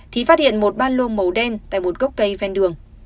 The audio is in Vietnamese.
thì phát hiện một ban lô màu đen tại một gốc cây ven đường